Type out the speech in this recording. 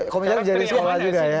komisaris jadi siapa juga ya